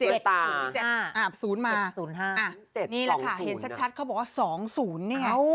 นี่แหละค่ะเห็นชัดเขาบอกว่า๒๐เนี่ย